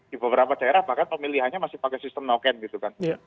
di beberapa daerah bahkan pemilihannya masih pakai sistem noken gitu kan